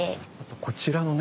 こちらのね